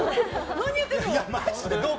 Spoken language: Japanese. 何言ってんの！